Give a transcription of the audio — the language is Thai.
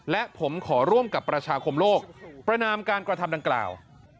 และผมขอร่วมกับประชาคมโลกประนามการกระทำดังกล่าว